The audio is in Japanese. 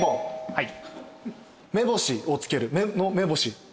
はい。